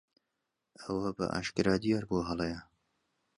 ئەوە بەئاشکرا دیار بوو هەڵەیە.